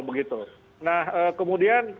begitu nah kemudian